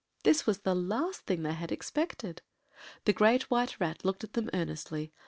This was the last thing they had expected. The Great White Rat looked at them earnestly.